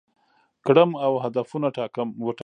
کړم او هدفونه وټاکم،